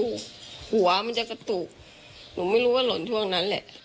ตกลงไปจากรถไฟได้ยังไงสอบถามแล้วแต่ลูกชายก็ยังเล็กมากอะ